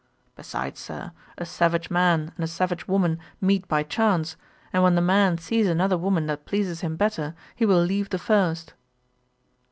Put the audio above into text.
Besides, Sir, a savage man and a savage woman meet by chance; and when the man sees another woman that pleases him better, he will leave the first.'